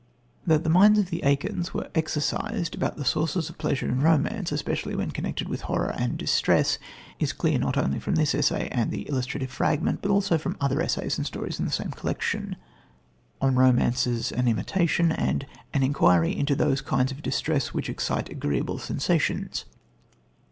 That the minds of the Aikins were exercised about the sources of pleasure in romance, especially when connected with horror and distress, is clear not only from this essay and the illustrative fragment but also from other essays and stories in the same collection On Romances, an Imitation, and An Enquiry into those Kinds of Distress which Excite Agreeable Sensations.